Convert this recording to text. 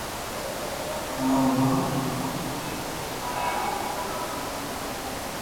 اووي ھوتا تا